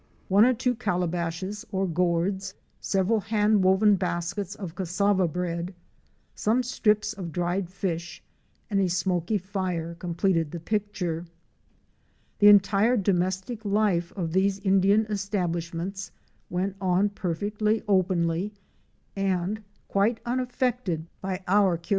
One or two calabashes or guords, several hand woven baskets of cassava bread, some strips of dried fish and a smoky fire completed the picture. The entire domestic life of these Indian establishments went on perfectly openly and quite unaffected by our curious OUR SEARCH FOR A WILDERNESS.